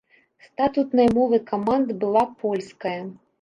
Статутнай мовай каманд была польская.